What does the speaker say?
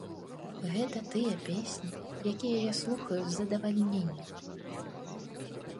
Гэта тыя песні, якія я слухаю з задавальненнем.